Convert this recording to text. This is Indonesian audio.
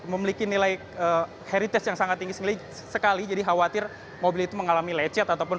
memiliki nilai heritage yang sangat tinggi sekali jadi khawatir mobil itu mengalami lecet ataupun